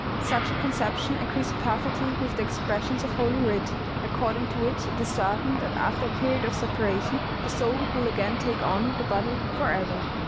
" Such a conception agrees perfectly with the expressions of holy writ, according to which it is certain that after a period of separation the soul will again take on the body forever.